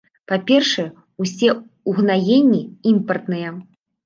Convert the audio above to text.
Па-першае, усе ўгнаенні імпартныя.